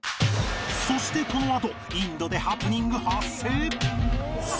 そしてこのあとインドでハプニング発生！